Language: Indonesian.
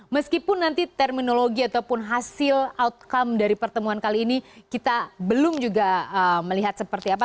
meskipun nanti terminologi ataupun hasil outcome dari pertemuan kali ini kita belum juga melihat seperti apa